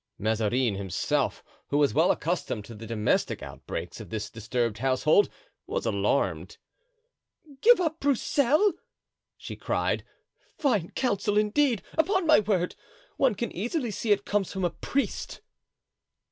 Mazarin himself, who was well accustomed to the domestic outbreaks of this disturbed household, was alarmed. "Give up Broussel!" she cried; "fine counsel, indeed. Upon my word! one can easily see it comes from a priest."